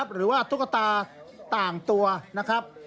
หรือว่าทุกตาต่างตัวนะครับ